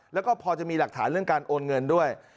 แล้วก็พอจะมีหลักฐานเรื่องการโอนเงินด้วย